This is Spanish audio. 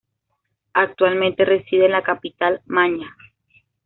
Actualmente reside en la capital maña.